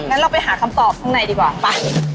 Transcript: งั้นเราไปหาคำตอบข้างในดีกว่าไป